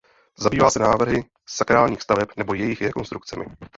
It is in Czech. Zabývá se návrhy sakrálních staveb nebo jejich rekonstrukcemi.